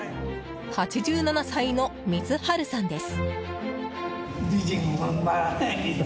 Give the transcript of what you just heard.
８７歳の満治さんです。